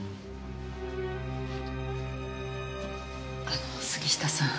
あの杉下さん。